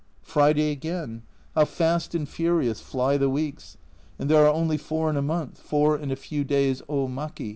Friday again how fast and furious fly the weeks, and there are only four in a month, four and a few days omaki.